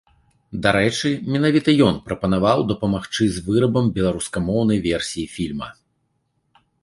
Дарэчы, менавіта ён прапанаваў дапамагчы з вырабам беларускамоўнай версіі фільма.